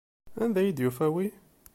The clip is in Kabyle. Anda ay d-yufa wi?